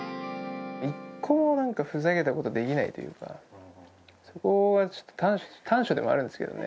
１個もなんかふざけたことできないというか、そこはちょっと、短所でもあるんですけどね。